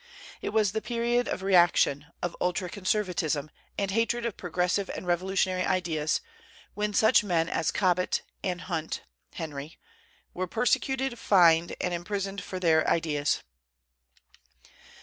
It was the period of reaction, of ultra conservatism, and hatred of progressive and revolutionary ideas, when such men as Cobbett and Hunt (Henry) were persecuted, fined, and imprisoned for their ideas.